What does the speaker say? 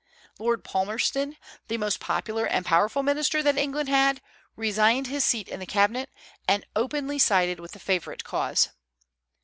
Lord Palmerston, the most popular and powerful minister that England had, resigned his seat in the cabinet, and openly sided with the favorite cause.